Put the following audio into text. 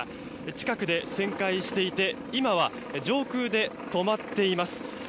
近くで旋回していて今は上空で止まっています。